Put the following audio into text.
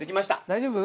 大丈夫？